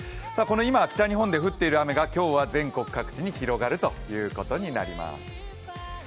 今、北日本で降っている雨が全国各地に広がるということになります。